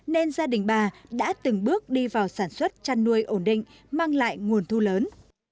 nên gia đình bà đã từng bước đi vào sản xuất chăn nuôi ổn định mang lại nguồn thu lớn